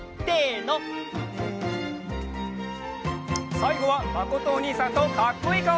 さいごはまことおにいさんとかっこいいかおいくよ！